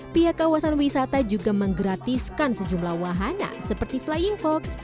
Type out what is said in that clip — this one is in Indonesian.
pihak kawasan wisata juga menggratiskan sejumlah wahana seperti flying fox